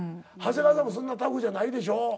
長谷川さんもそんなタフじゃないでしょ？